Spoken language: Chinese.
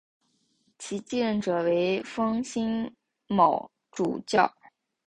其继任者为封新卯主教。